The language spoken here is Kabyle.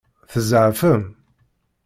Tzeɛfem?